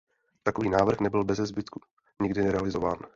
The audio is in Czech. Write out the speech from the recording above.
Takový návrh nebyl beze zbytku nikdy realizován.